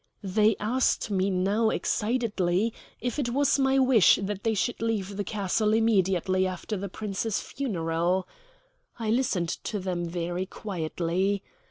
They asked me now excitedly if it was my wish that they should leave the castle immediately after the Prince's funeral. I listened to them very quietly.